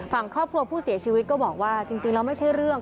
ฝั่งครอบครัวผู้เสียชีวิตก็บอกว่าจริงแล้วไม่ใช่เรื่อง